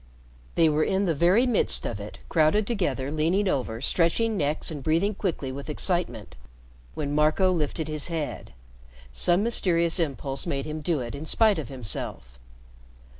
They were in the very midst of it, crowded together, leaning over, stretching necks and breathing quickly with excitement, when Marco lifted his head. Some mysterious impulse made him do it in spite of himself.